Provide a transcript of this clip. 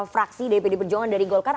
masing masing fraksi dpd perjuangan dari golkar